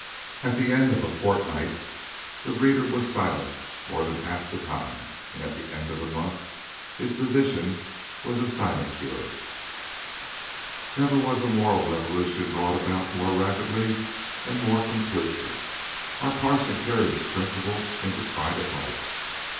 At the end of a fortnight the reader was silent more than half the time, and at the end of the month his position was a sinecure. Never was a moral revolution brought about more rapidly and more completely. Our parson carried his principle into private life.